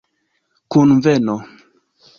kunveno